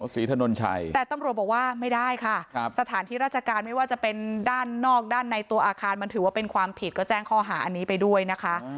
ศรีถนนชัยแต่ตำรวจบอกว่าไม่ได้ค่ะสถานที่ราชการไม่ว่าจะเป็นด้านนอกด้านในตัวอาคารมันถือว่าเป็นความผิดก็แจ้งข้อหาอันนี้ไปด้วยนะคะ